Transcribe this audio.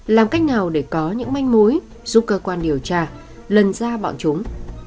làm cách nào để có những manh mối giúp cơ quan điều tra lần ra bọn chúng